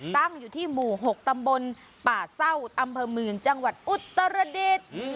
ตั้งอยู่ที่หมู่๖ตำบลป่าเศร้าอำเภอเมืองจังหวัดอุตรดิษฐ์